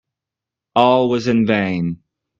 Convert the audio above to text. All was in vain.